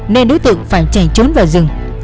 nên đối tượng phải chạy trốn vào rừng